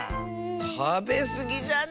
たべすぎじゃない？